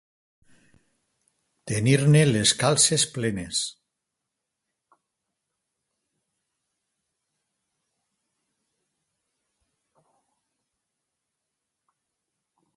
Tenir-ne les calces plenes.